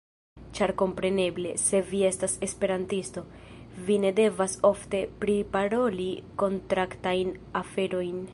Ĉar kompreneble, se vi estas Esperantisto, vi ne devas ofte priparoli kontraktajn aferojn.